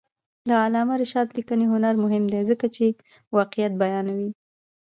د علامه رشاد لیکنی هنر مهم دی ځکه چې واقعیت بیانوي.